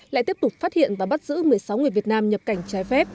lại tiếp tục phát hiện và bắt giữ một mươi sáu người việt nam nhập cảnh trái phép